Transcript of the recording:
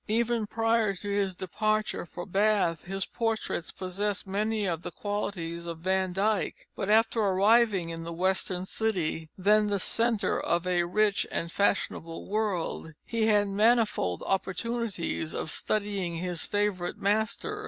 Even prior to his departure for Bath, his portraits possessed many of the qualities of Van Dyck, but after arriving in the western city, then the centre of a rich and fashionable world, he had manifold opportunities of studying his favourite master.